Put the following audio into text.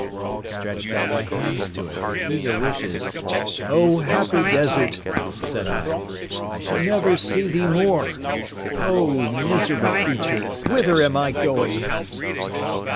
I stretched out my hands to it, with eager wishes—"O happy desert!" said I, "I shall never see thee more. O miserable creature! whither am going?"